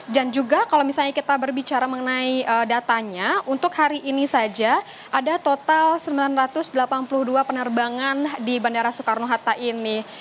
dan juga kalau misalnya kita berbicara mengenai datanya untuk hari ini saja ada total sembilan ratus delapan puluh dua penerbangan di bandara soekarno hatta ini